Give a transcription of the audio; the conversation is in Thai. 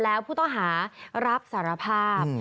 แล้วผู้ต้องหารับสารภาพ